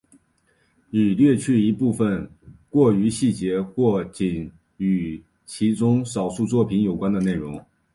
已略去一部分过于细节或仅与其中少数作品有关的内容。